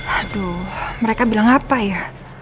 aduh mereka bilang apa ya